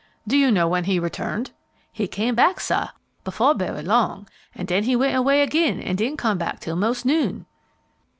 "Do you know when he returned?" "He came back, sah, befo' berry long, an' den he went away agin and didn't come back till mos' noon."